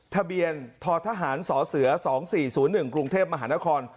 ทะเบียนททหารสเส๒๔๐๑กรุงเทพมหานคร